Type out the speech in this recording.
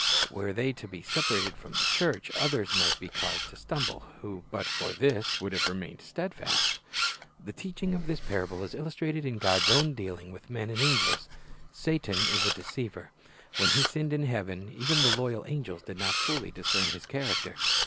Were they to be separated from the church, others might be caused to stumble, who but for this would have remained steadfast. The teaching of this parable is illustrated in God's own dealing with men and angels. Satan is a deceiver. When he sinned in heaven, even the loyal angels did not fully discern his character.